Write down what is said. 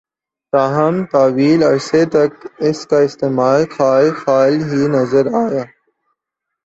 تاہم ، طویل عرصے تک اس کا استعمال خال خال ہی نظر آیا